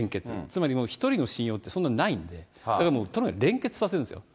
つまりもう、１人の信用ってそんなにないんで、だからとにかくもう連結させるんですよ。